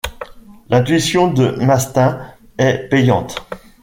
L'intuition de Mastin est payante.